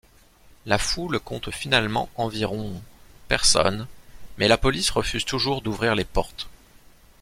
La foule compte finalement environ personnes, mais la police refuse toujours d'ouvrir les portes.